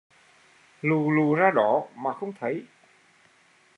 Lù lù ra đó mà không thấy